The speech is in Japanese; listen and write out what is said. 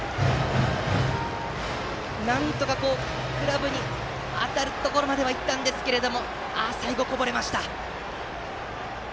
なんとか、グラブに当たるところまでいったんですが最後にこぼれました。